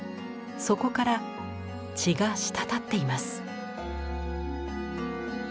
そこから血が滴っています。